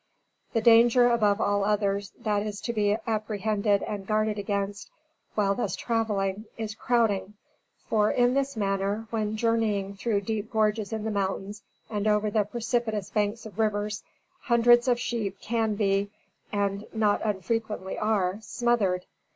The danger above all others that is to be apprehended and guarded against, while thus travelling, is crowding; for, in this manner, when journeying through deep gorges in the mountains and over the precipitous banks of rivers, hundreds of sheep can be, and not unfrequently are, smothered.